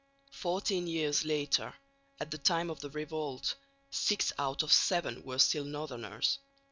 Fourteen years later (at the time of the revolt) six out of seven were still northerners.